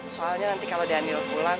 soalnya nanti kalau diambil pulang